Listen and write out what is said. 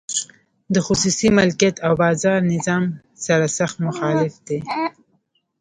د خصوصي مالکیت او بازار نظام سرسخت مخالف دی.